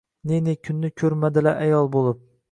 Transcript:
Ne ne kunni kurmadilar ayol bulib